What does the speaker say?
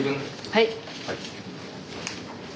はい。